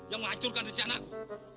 yang menghancurkan rencanaku